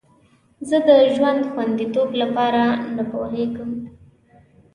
زه د ژوند خوندیتوب لپاره نه پوهیږم.